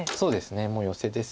もうヨセです